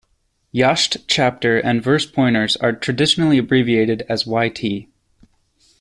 "Yasht" chapter and verse pointers are traditionally abbreviated as "Yt.